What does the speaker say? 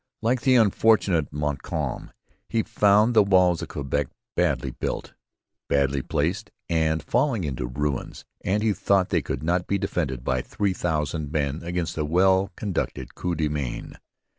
Like the unfortunate Montcalm he found the walls of Quebec badly built, badly placed, and falling into ruins, and he thought they could not be defended by three thousand men against 'a well conducted Coup de main.'